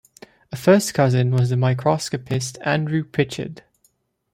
A first cousin was the microscopist Andrew Pritchard.